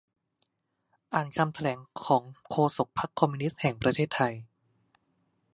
อ่านคำแถลงของโฆษกพรรคคอมมิวนิสต์แห่งประเทศไทย